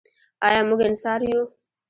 آیا موږ انصار یو؟